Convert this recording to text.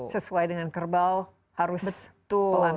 sesuai dengan kerbau harus pelan pelan